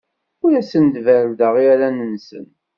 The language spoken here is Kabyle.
Ur asen-berrdeɣ iran-nsen.